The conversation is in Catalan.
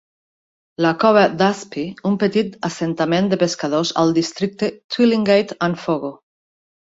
La cova d"Aspey, un petit assentament de pescadors al districte Twillingate and Fogo.